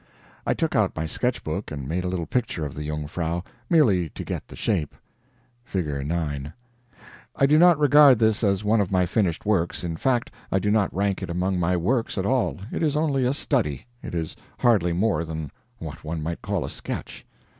I took out my sketch book and made a little picture of the Jungfrau, merely to get the shape. I do not regard this as one of my finished works, in fact I do not rank it among my Works at all; it is only a study; it is hardly more than what one might call a sketch.